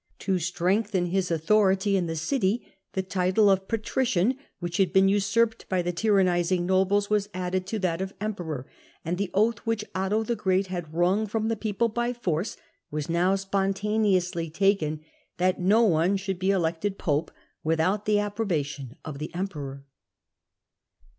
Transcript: To strengthen his authority in the city, the title of Patrician, which had been usurped by the tyrannising nobles, was added to that of Emperor, and the oath which Otto the Great had wrung from the people by force was now spontaneously taken, that no one should be elected pope without the approbation of the emperor.